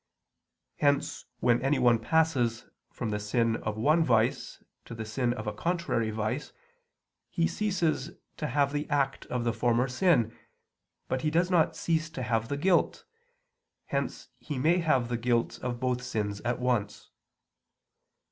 Hence when anyone passes from the sin of one vice to the sin of a contrary vice, he ceases to have the act of the former sin, but he does not cease to have the guilt, hence he may have the guilt of both sins at once.